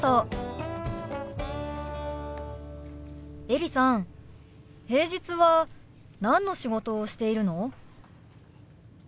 エリさん平日は何の仕事をしているの？